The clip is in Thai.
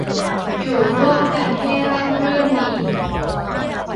อยู่ร่วมกันให้ราบรื่นดี